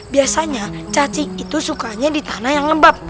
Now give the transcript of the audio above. biasanya cacing itu sukanya di tanah yang lembab